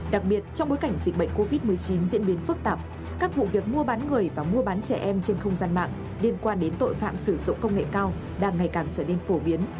đặc biệt trong bối cảnh dịch bệnh covid một mươi chín diễn biến phức tạp các vụ việc mua bán người và mua bán trẻ em trên không gian mạng liên quan đến tội phạm sử dụng công nghệ cao đang ngày càng trở nên phổ biến